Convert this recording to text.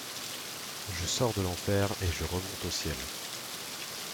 Je sors de l’enfer et je remonte au ciel.